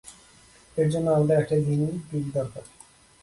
এর জন্য আমাদের একটা গিনি পিগ দরকার।